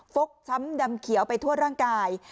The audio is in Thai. ฟกช้ำดำเขียวไปทั่วร่างกาย